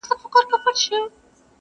چي فکرونه د نفاق پالي په سر کي!!